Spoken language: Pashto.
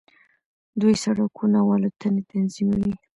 دوی سړکونه او الوتنې تنظیموي.